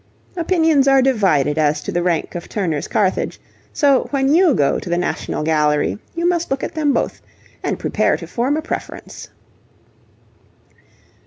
Opinions are divided as to the rank of Turner's 'Carthage,' so when you go to the National Gallery, you must look at them both and prepare to form a preference.